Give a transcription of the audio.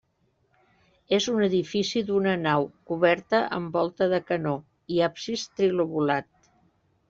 És un edifici d'una nau, coberta amb volta de canó, i absis trilobulat.